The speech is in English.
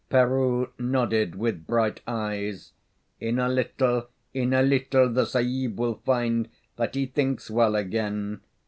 Peroo nodded with bright eyes. "In a little in a little the Sahib will find that he thinks well again.